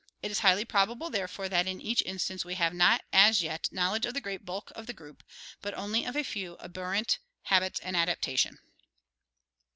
It is highly probable therefore that in each instance we have not as yet knowledge of the great bulk of the group, but only of a few of aberrant habits and adaptation.